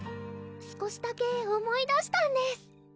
少しだけ思い出したんです